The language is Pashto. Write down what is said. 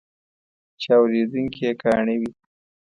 چې اورېدونکي یې کاڼه وي.